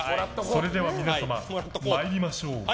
それでは皆様、参りましょう。